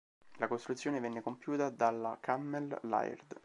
La costruzione venne compiuta dalla Cammell Laird.